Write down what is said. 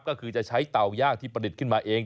ก็คือจะใช้เตาย่างที่ผลิตขึ้นมาเอง